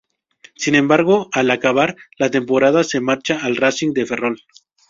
Sin embargo al acabar la temporada se marcha al Racing de Ferrol.